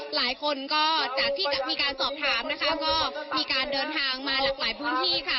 หลายคนก็จากที่จะมีการสอบถามนะคะก็มีการเดินทางมาหลากหลายพื้นที่ค่ะ